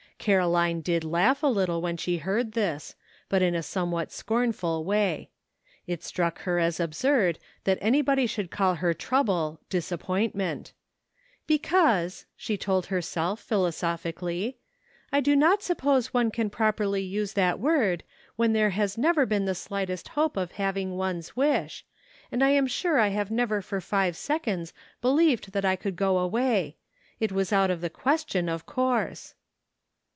Caroline did laugh a little when she heard this, but in a somewhat scorn ful way. It struck her as absurd that anybody should call her trouble disappointment. " Be cause," she told herself philosophically, " I do not suppose one can properly use that word when there has never been the slightest hope of having one's wish, and I am sure I have 7 8 DISAPPOINTMENT. never for five seconds believed that I could go away. It was out of the question, of course."